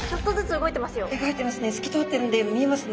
動いてますね。